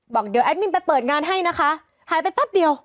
บอกเดี๋ยวแอดมินไปเปิดงานให้นะคะหายไปแป๊บเดียว